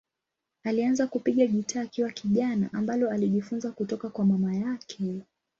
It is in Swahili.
Alianza kupiga gitaa akiwa kijana, ambalo alijifunza kutoka kwa mama yake.